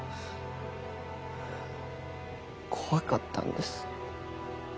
怖かったんです。